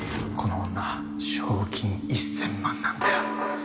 この女賞金１０００万なんだよ